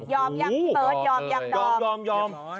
ยอมยังเปิดยอมยังดอมยอมยอมยอมยอม